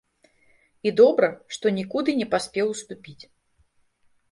І добра, што нікуды не паспеў уступіць.